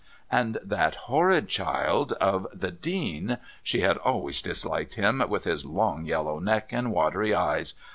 And that horrid child of the Dean she had always disliked him, with his long yellow neck and watery eyes!